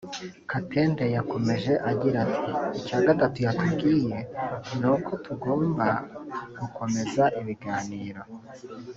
Katende yakomeje agira ati “Icya gatatu yatubwiye ni uko tugomba gukomeza ibiganiro